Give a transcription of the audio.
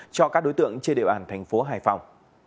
cho các đối tượng trên địa bàn thành phố hải phòng